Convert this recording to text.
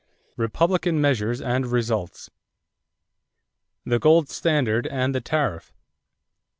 REPUBLICAN MEASURES AND RESULTS =The Gold Standard and the Tariff.